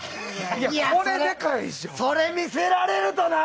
それ見せられるとな。